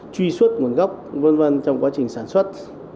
truy xuất nguồn gốc v v trong quá trình sản xuất